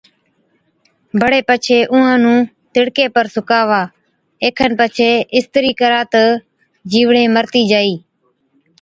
بڙي پڇي اُونهان نُون تِڙڪي پر سُڪاوا، اي کن پڇي اِسترِي ڪرا تہ جِيوڙين مرتِي جائِي